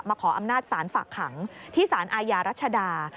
ขออำนาจศาลฝากขังที่สารอาญารัชดา